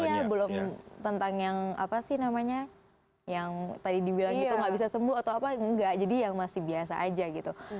iya belum tentang yang apa sih namanya yang tadi dibilang itu nggak bisa sembuh atau apa enggak jadi yang masih biasa aja gitu